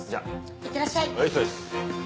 いってらっしゃい。